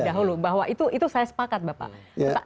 dahulu bahwa itu saya sepakat bapak